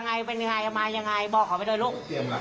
มีอะไรพูดไปเลยไม่ต้องราญที่พูดไปเลยลูก